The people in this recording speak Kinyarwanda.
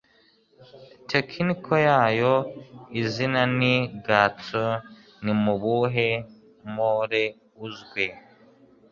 Technical yayo Izina ni Gatso Ni mu buhe More uzwi?